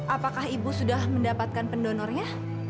apakah ibu sudah mendapatkan pendonornya